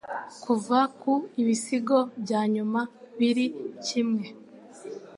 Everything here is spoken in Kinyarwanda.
Kuva ku ibisigo byanyuma biri kimwe